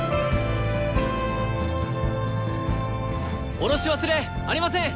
降ろし忘れありません！